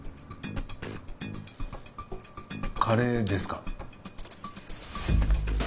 カレーですか？